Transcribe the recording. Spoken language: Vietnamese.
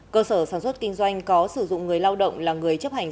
cơ sở sản xuất kinh doanh có sử dụng người lao động là người chấp hành